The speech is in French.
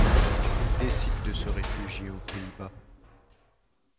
Il décide de se réfugier aux Pays-Bas.